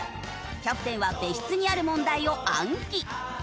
キャプテンは別室にある問題を暗記。